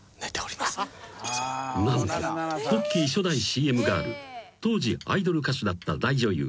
［何とポッキー初代ＣＭガール当時アイドル歌手だった大女優